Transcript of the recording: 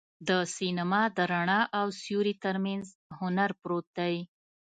د سینما د رڼا او سیوري تر منځ هنر پروت دی.